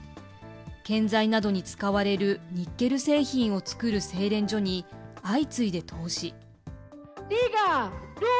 建材などに使われるニッケル製品を作る製錬所に、相次いで投資。